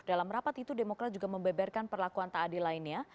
dalam rapat itu demokrat juga membeberkan perlakuan taadi lainnya